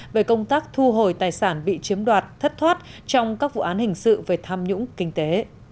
về công tác thu hồi tài sản bị chiếm đoạt thất thoát trong các vụ án hình sự về tham nhũng kinh tế